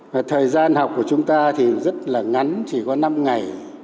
và thời gian học của chúng ta thì rất là ngắn chỉ có năm ngày